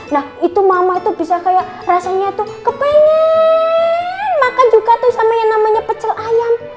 nah itu mama itu bisa kayak rasanya tuh kepengen makan juga tuh sama yang namanya pecel ayam